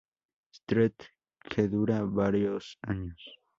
Street que duró varios años.